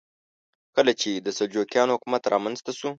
کله چې د سلجوقیانو حکومت رامنځته شو.